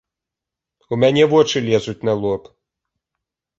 У мяне вочы лезуць на лоб!